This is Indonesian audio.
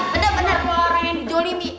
bener bener orang yang dijolimi